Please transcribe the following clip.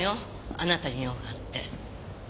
あなたに用があって。